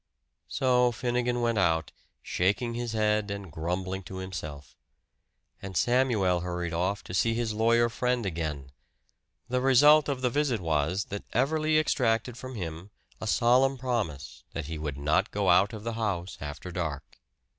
So Finnegan went out, shaking his head and grumbling to himself. And Samuel hurried off to see his lawyer friend again. The result of the visit was that Everley exacted from him a solemn promise that he would not go out of the house after dark.